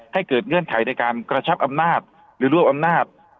เกิดเงื่อนไขในการกระชับอำนาจหรือรวบอำนาจ